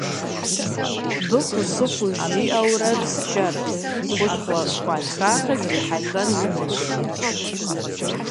Быхьу-сыхьу жиӏэурэ псчэрт, хущхъуэ хуатхахэр зрихьэлӏэн имыдэу.